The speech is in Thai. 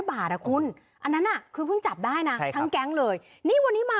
บาทอ่ะคุณอันนั้นน่ะคือเพิ่งจับได้นะทั้งแก๊งเลยนี่วันนี้มา